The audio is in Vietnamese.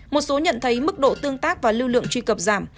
một số nhận thấy mức độ tương tác và lưu lượng truy cập giảm